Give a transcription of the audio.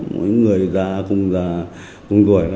những người già không già không tuổi